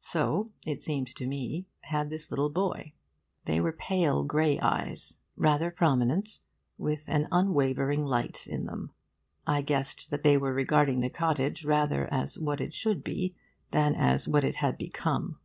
So, it seemed to me, had this little boy. They were pale grey eyes, rather prominent, with an unwavering light in them. I guessed that they were regarding the cottage rather as what it should be than as what it had become.